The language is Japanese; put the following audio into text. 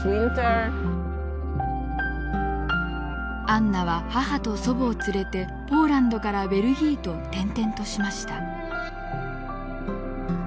アンナは母と祖母を連れてポーランドからベルギーと転々としました。